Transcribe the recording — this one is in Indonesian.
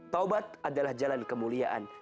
taubat adalah jalan kemuliaan